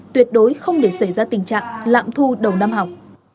tuyệt đối không để xảy ra tình trạng lạm thu đầu năm học